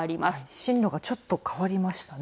進路がちょっと変わりましたね。